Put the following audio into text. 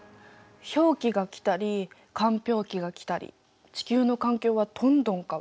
氷期が来たり間氷期が来たり地球の環境はどんどん変わる。